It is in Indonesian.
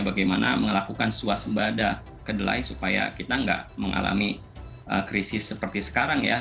bagaimana melakukan suasembada kedelai supaya kita nggak mengalami krisis seperti sekarang ya